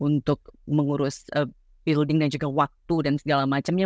untuk mengurus building dan juga waktu dan segala macamnya